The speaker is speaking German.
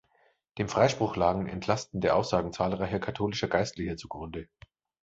Dem Freispruch lagen entlastende Aussagen zahlreicher katholischer Geistlicher zugrunde.